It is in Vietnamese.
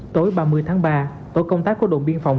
tối ba mươi tháng ba tổ công tác của đồn biên phòng